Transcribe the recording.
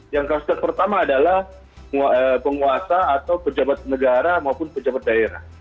yang kluster pertama adalah penguasa atau pejabat negara maupun pejabat daerah